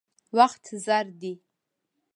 وخت زر دی.